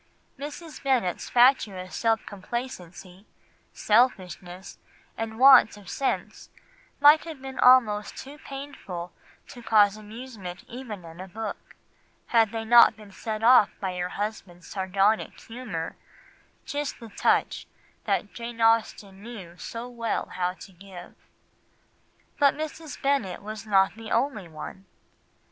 Mrs. Bennet's fatuous self complacency, selfishness, and want of sense might have been almost too painful to cause amusement even in a book, had they not been set off by her husband's sardonic humour, just the touch that Jane Austen knew so well how to give. But Mrs. Bennet is not the only one.